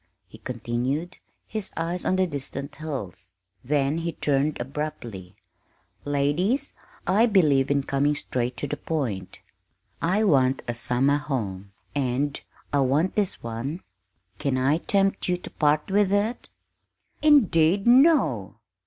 he continued, his eyes on the distant hills. Then he turned abruptly. "Ladies, I believe in coming straight to the point. I want a summer home, and I want this one. Can I tempt you to part with it?" "Indeed, no!"